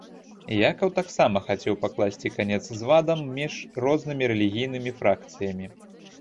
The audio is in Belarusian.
Якаў таксама хацеў пакласці канец звадам між рознымі рэлігійнымі фракцыямі.